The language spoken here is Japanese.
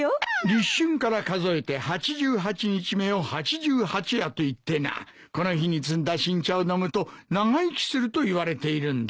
立春から数えて８８日目を八十八夜といってなこの日に摘んだ新茶を飲むと長生きするといわれているんだ。